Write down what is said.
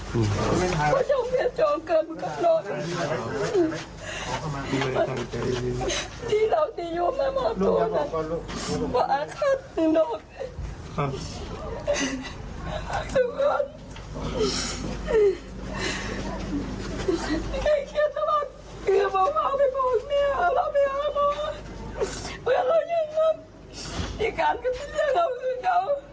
ลูกอย่าบอกก่อนลูก